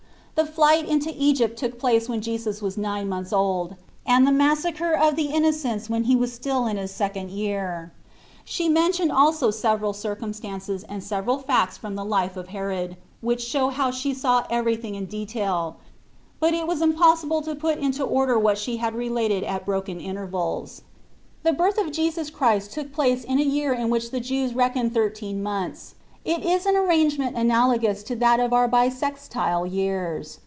The flight into Egypt took place when Jesus was nine months old, and the Massacre of the Innocents when He was still in His second year. She mentioned also several 96 Ube 1RatiY>it\? of circumstances and several facts from the life of Herod which show how she saw everything in detail ; but it was impossible to put into order what she had related at broken intervals. The birth of Jesus Christ took place in a year in which the Jews reckon thirteen months. It is an arrangement analagous to that of our bissextile years.